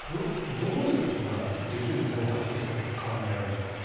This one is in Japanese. どういうことができる方策としては考えられえるんですか。